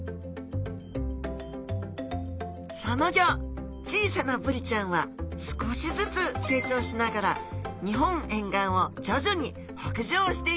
その後小さなブリちゃんは少しずつ成長しながら日本沿岸を徐々に北上していきます